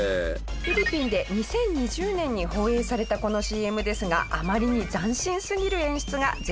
フィリピンで２０２０年に放映されたこのＣＭですがあまりに斬新すぎる演出がＺ世代の間で話題に。